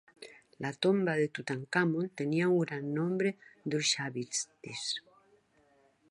La tomba de Tutankamon tenia un gran nombre d'ushabtis.